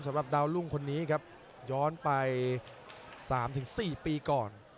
สำหรับดาวรุ่งคนนี้ครับย้อนไป๓๔ปีก่อน